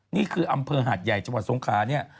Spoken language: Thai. นี่คืออำเภอหาดใหญ่จังหวัดสงขาเนี่ย